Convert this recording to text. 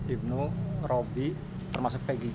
ibnu robby termasuk pegi